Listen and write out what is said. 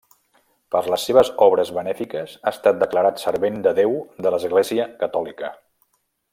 Per les seves obres benèfiques ha estat declarat servent de Déu de l'Església catòlica.